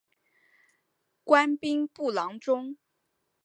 官兵部郎中。